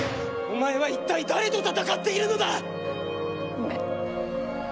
お前は一体誰と戦っているのだ⁉ごめん。